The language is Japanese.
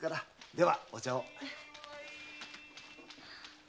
ではお茶を。